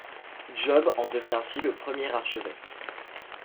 Job en devient ainsi le premier archevêque.